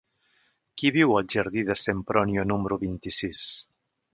Qui viu al jardí de Sempronio número vint-i-sis?